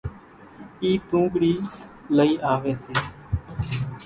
اِي تونٻڙِي لئِي آويَ سي۔